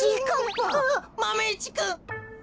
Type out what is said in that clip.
あっマメ１くん。